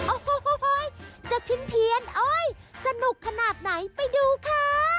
โอ้โหจะเพี้ยนเอ้ยสนุกขนาดไหนไปดูค่ะ